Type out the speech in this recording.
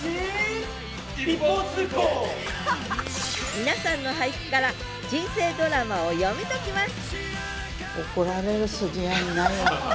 皆さんの俳句から人生ドラマを読み解きます